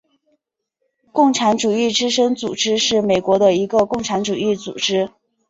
共产主义之声组织是美国的一个共产主义组织。